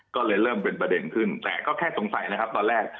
ก็เลยเริ่มเป็นประเด็นขึ้นแต่ก็แค่สงสัยนะครับตอนแรก